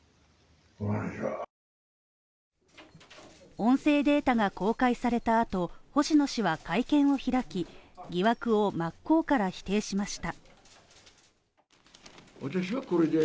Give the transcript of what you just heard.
音声データが公開された後、星野氏は会見を開き、疑惑を真っ向から否定しました。